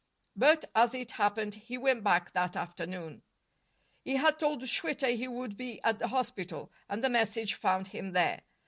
But, as it happened, he went back that afternoon. He had told Schwitter he would be at the hospital, and the message found him there.